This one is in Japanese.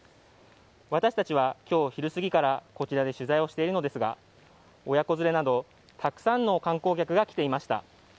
私たちは今日昼すぎからこちらで取材をしているんですが親子連れなどたくさんの観光客が来ていました。